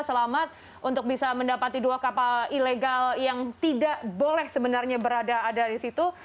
selamat untuk bisa mendapati dua kapal ilegal yang tidak boleh sebenarnya berada ada di situ